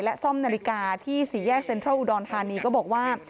ซ่อมนาฬิกาที่สี่แยกเซ็นทรัลอุดรธานีก็บอกว่า